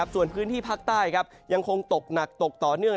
ส่วนพื้นที่ภาคใต้ยังคงตกหนักตกต่อเนื่อง